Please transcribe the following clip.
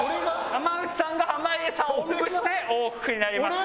山内さんが濱家さんをオンブして往復になります。